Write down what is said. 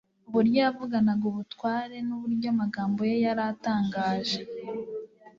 Uburyo yavuganaga ubutware n'uburyo amagambo ye yari atangaje,